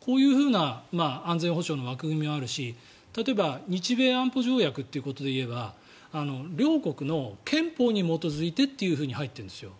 こういうふうな安全保障の枠組みがあるし例えば日米安保条約ということで言えば両国の憲法に基づいてと入っているんですよ。